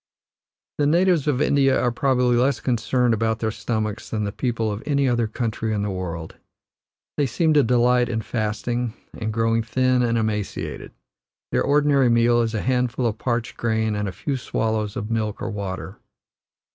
The natives of India are probably less concerned about their stomachs than the people of any other country in the world. They seem to delight in fasting, and growing thin and emaciated; their ordinary meal is a handful of parched grain and a few swallows of milk or water.